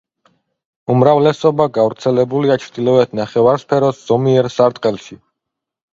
უმრავლესობა გავრცელებულია ჩრდილოეთ ნახევარსფეროს ზომიერ სარტყელში.